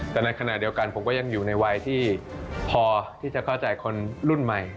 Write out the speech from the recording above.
แต่ในขณะเดียวกันผมก็ยังอยู่ในวัยที่พอที่จะเข้าใจคนรุ่นใหม่